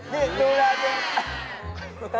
นี่ดูแลเถอะ